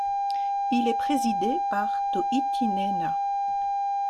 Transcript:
Il est présidé par Tauhiti Nena.